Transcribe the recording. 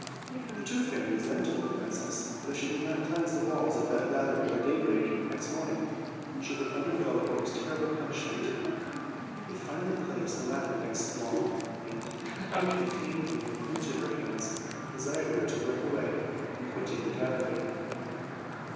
The two fairies then told the princess that if she did not cleanse the walls of that gallery by daybreak next morning, she would undergo the most terrible punishment. They finally placed a ladder against the wall, and, putting a cane broom into her hands, desired her to work away, and quitted the gallery.